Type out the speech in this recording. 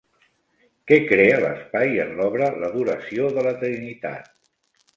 Què crea l'espai en l'obra l'Adoració de la Trinitat?